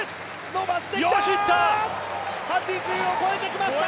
伸ばしてきた！